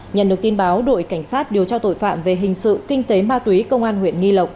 nhận được tin báo đội cảnh sát điều tra tội phạm về hình sự kinh tế ma túy công an huyện nghi lộc